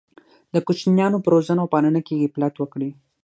د کوچنیانو په روزنه او پالنه کې غفلت وکړي.